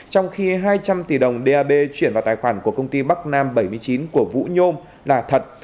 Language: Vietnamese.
trong khi hai trăm linh tỷ đồng dap chuyển vào tài khoản của công ty bắc nam bảy mươi chín của vũ nhôm là thật